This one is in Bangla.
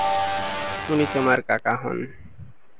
উনি তোমার কাকা হন।